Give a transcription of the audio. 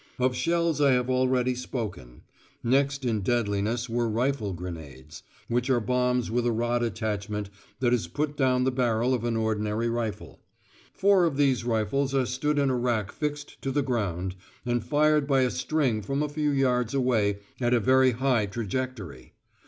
Of shells I have already spoken; next in deadliness were rifle grenades, which are bombs with a rod attachment that is put down the barrel of an ordinary rifle. Four of these rifles are stood in a rack fixed to the ground, and fired by a string from a few yards away, at a very high trajectory.